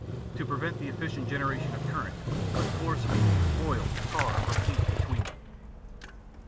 To prevent the efficient generation of current, put floor sweepings, oil, tar, or paint between them.